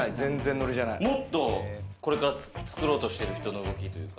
もっとこれから作ろうとしてる人の動きというか。